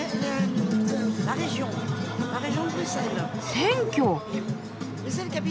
選挙。